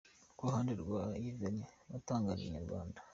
Ku ruhande rwa Yverry watangarije Inyarwanda.